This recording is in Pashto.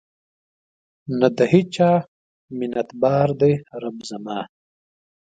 نه د هیچا منتبار دی رب زما